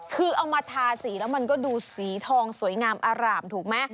คือเอามาทาสีแล้วมันก็ดูสีทองสวยงามอร่ามถูกไหม